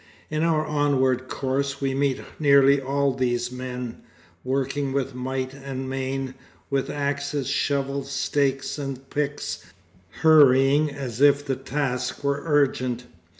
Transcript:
In our onward course we meet nearly all these men, working with might and main, with axes, shovels, stakes and picks, hurrying as if the task were urgent.